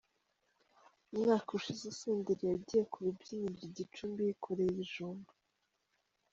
Umwaka ushize Senderi yagiye ku rubyiniro i Gicumbi yikoreye ibijumba.